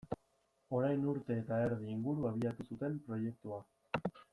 Orain urte eta erdi inguru abiatu zuten proiektua.